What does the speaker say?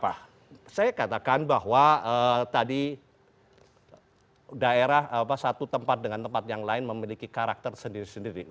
saya katakan bahwa tadi daerah satu tempat dengan tempat yang lain memiliki karakter sendiri sendiri